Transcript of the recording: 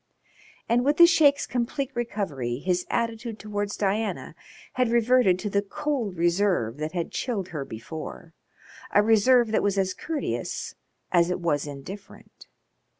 And with the Sheik's complete recovery his attitude towards Diana had reverted to the cold reserve that had chilled her before a reserve that was as courteous as it was indifferent.